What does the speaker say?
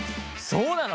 そうなの！？